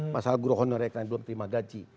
masalah guru honorek yang belum terima gaji